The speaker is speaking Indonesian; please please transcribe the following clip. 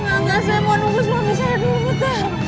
enggak enggak saya mau nunggu suami saya dulu pak